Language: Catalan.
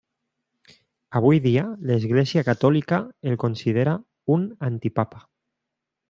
Avui dia, l'Església Catòlica el considera un antipapa.